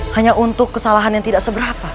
hanya untuk kesalahan yang tidak seberapa